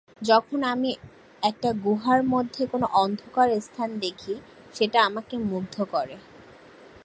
যখন আমি একটা গুহার মধ্যে কোন অন্ধকার স্থান দেখি, সেটা আমাকে মুগ্ধ করে।